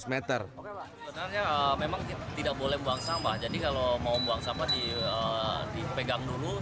sebenarnya memang tidak boleh buang sampah jadi kalau mau buang sampah dipegang dulu